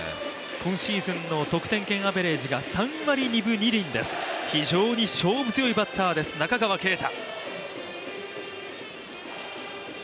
このシーズンの得点圏アベレージが３割２分２厘です、非常に勝負強いバッターです、中川圭太。